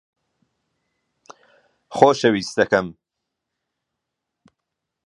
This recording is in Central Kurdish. خۆشەویستەکەم